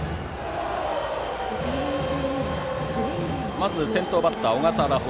まず、先頭バッターの小笠原蛍